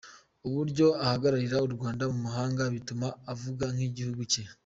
Uburyo ahagararira u Rwanda mu mahanga, bituma aruvuga nk’igihugu cye.